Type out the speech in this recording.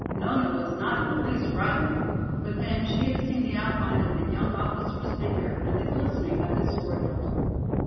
Nona was not in the least frightened, but then she had seen the outline of the young officer's figure and the glistening of his sword hilt.